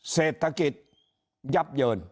เศรษฐกิจยับเยิน